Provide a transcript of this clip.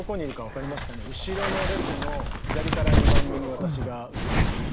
後ろの列の左から２番目に私が写っています。